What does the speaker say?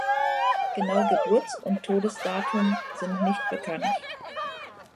Genaue Geburts- und Todesdatum sind nicht bekannt.